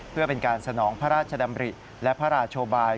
เพื่อเป็นการสนองพระราชดำริและพระราชบาย